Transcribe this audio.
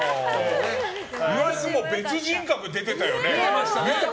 岩井は別人格出てたよね。